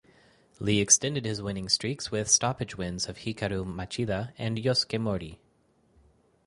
Lee extended his winning streak with stoppage wins of Hikaru Machida and Yosuke Morii.